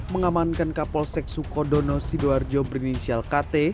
mengamankan kapal seksu kodono sidoarjo brinisial kt